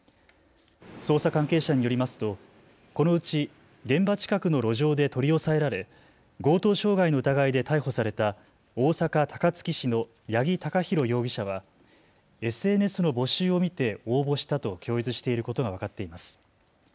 捜査関係者によりますとこのうち現場近くの路上で取り押さえられ強盗傷害の疑いで逮捕された大阪高槻市の八木貴寛容疑者はＳＮＳの募集を見て応募したと供述していることが分かっています。